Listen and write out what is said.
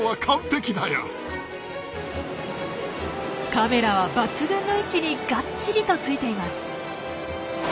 カメラは抜群の位置にがっちりとついています。